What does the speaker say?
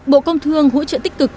bộ công thương hỗ trợ tích cực